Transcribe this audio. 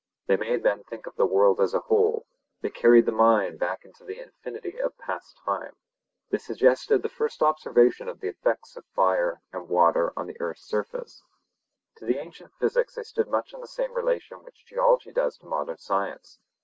They made men think of the world as a whole; they carried the mind back into the infinity of past time; they suggested the first observation of the effects of fire and water on the earth's surface. To the ancient physics they stood much in the same relation which geology does to modern science.